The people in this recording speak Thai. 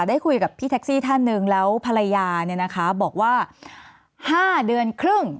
ได้คุยกับพี่แท็กซี่ท่านหนึ่งแล้วภรรยาเนี่ยนะคะบอกว่า๕เดือนครึ่ง